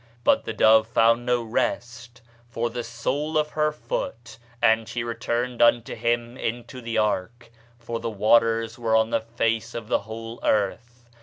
But the dove found no rest for the sole of her foot, and she returned unto him into the ark; for the waters were on the face of the whole earth.